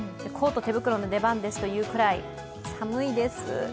コート、手袋の出番ですというくらい寒いです。